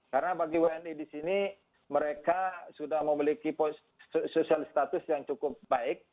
karena bagi wni di sini mereka sudah memiliki social status yang cukup baik